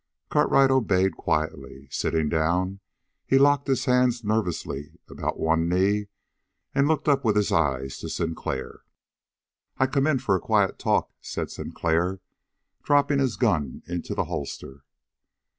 Cartwright obeyed quietly. Sitting down, he locked his hands nervously about one knee and looked up with his eyes to Sinclair. "I come in for a quiet talk," said Sinclair, dropping his gun into the holster.